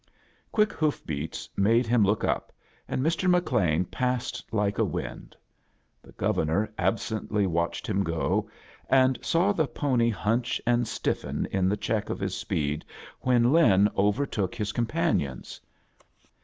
Quick hoof be; ,ts made him look up, and Hr. McLean passed lite a wind The Governor absently watched him go, and saw the pony hunch and stiffen in the check of his speed when Lin overtook his A JOURNEY IN SEARCH OF CHRISTMAS companions.